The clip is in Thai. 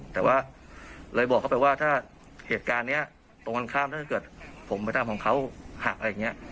แต่ว่าเลยบอกเขาไปว่าถ้าเหตุการณ์นี้ตรงกันข้ามถ้าเกิดผมไปทำของเขาหักอะไรอย่างนี้